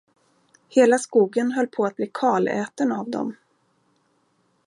Hela skogen höll på att bli kaläten av dem.